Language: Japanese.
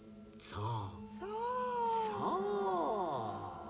さあ。